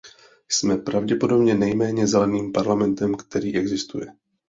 Jsme pravděpodobně nejméně zeleným parlamentem, který existuje.